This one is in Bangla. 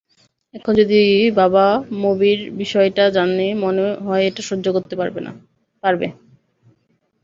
এখন যদি বাবা মবির বিষয়টা জানে মনে হয়না এটা সহ্য করতে পারবে।